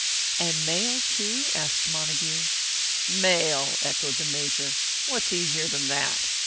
"And mail, too?" asked Montague. "Mail!" echoed the Major. "What's easier than that?